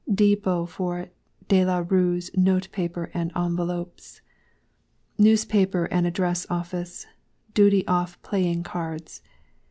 Depot for De La RueŌĆÖs Note Paper and Envelopes. NEWSPAPER AND ADDRESS OFFICE. DUTY OFF PLAYING CARDS.